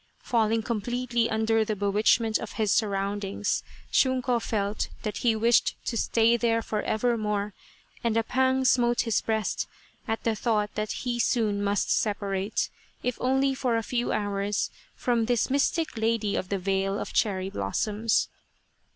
Falling completely under the bewitchment of his surroundings, Shunko felt that he wished to stay there for evermore, and a pang smote his breast at the thought that he soon must separate, if only for a few hours, from his mystic lady of the vale of cherry blossoms.